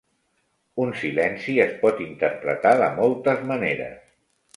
Un silenci es pot interpretar de moltes maneres.